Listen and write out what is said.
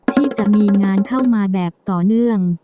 ที่จะมีงานเข้ามาแบบต่อเนื่อง